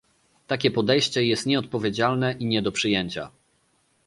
Takie podejście jest nieodpowiedzialne i nie do przyjęcia